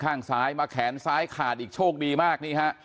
ข้างซ้ายมาแขนซ้ายขาดอีกโชคดีมากนี่ฮะ